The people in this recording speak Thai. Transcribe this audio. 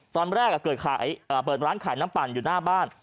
ตอนแรกเปิดร้านขายน้ำปั่นอยู่หน้าบ้าน